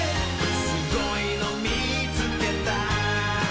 「すごいのみつけた」